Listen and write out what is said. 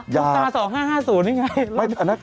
อยากหรอหยุทรา๒๕๕๐นะไง